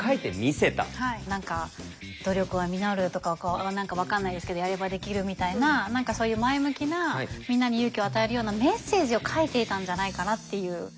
何か「努力は実る」とかこう何か分かんないですけど「やればできる」みたいな何かそういう前向きなみんなに勇気を与えるようなメッセージを書いていたんじゃないかなっていう。